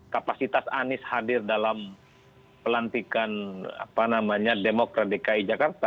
kapasitas anies hadir dalam pelantikan demokrat dki jakarta